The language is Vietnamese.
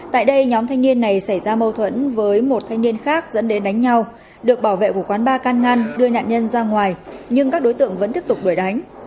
tại đây nhóm thanh niên này xảy ra mâu thuẫn với một thanh niên khác dẫn đến đánh nhau được bảo vệ của quán ba can ngăn đưa nạn nhân ra ngoài nhưng các đối tượng vẫn tiếp tục đuổi đánh